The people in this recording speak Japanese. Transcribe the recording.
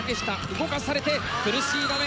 動かされて苦しい場面。